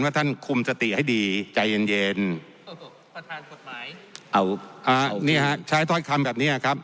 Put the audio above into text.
ว่าท่านคุมสติให้ดีใจเย็นเย็นเอาอ่านี่ฮะใช้ถ้อยคำแบบนี้ฮะครับ